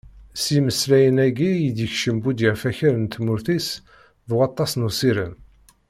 S yimeslayen-agi i d-yekcem Budyaf akal n tmurt-is d waṭas n usirem.